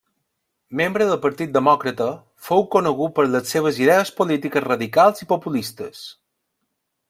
Membre del Partit Demòcrata, fou conegut per les seves idees polítiques radicals i populistes.